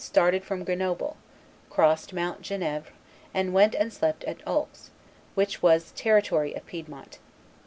started from Grenoble, crossed Mount Genevre, and went and slept at Oulx, which was territory of Piedmont.